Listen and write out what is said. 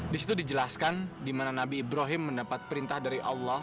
di situ dijelaskan di mana nabi ibrahim mendapat perintah dari allah